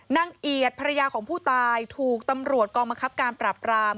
นางเอียดภรรยาของผู้ตายถูกตำรวจกรมกรรมกรรมการปราบกราม